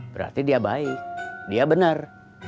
berarti dia baik dia benar